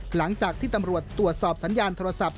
หลังจากที่ตำรวจตรวจสอบสัญญาณโทรศัพท์